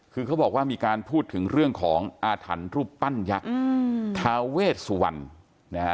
คือเขาบอกว่ามีการพูดถึงเรื่องของอาถรรพ์รูปปั้นยักษ์ทาเวชสุวรรณนะฮะ